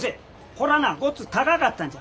これはなあごっつう高かったんじゃ。